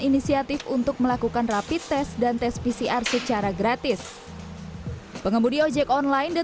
inisiatif untuk melakukan rapid test dan tes pcr secara gratis pengemudi ojek online dan